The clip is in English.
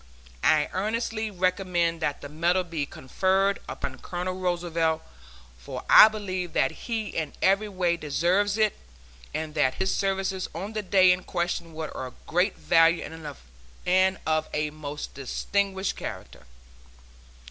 I earnestly recommend that the medal be conferred upon Colonel Roosevelt, for I believe that he in every way deserves it, and that his services on the day in question were of great value and of a most distinguished character.